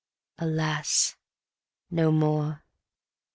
240 Alas, no more!